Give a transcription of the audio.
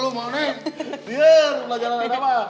seit mengidiin pelajaran te ninja